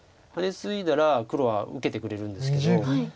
ハネツイだら黒は受けてくれるんですけど。